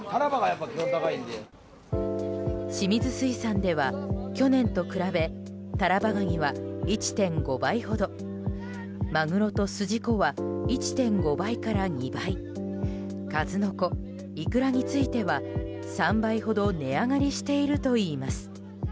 清水水産では、去年と比べタラバガニは１．５倍ほどマグロとスジコは１．５倍から２倍数の子、イクラについては３倍ほど値上がりしているといいます。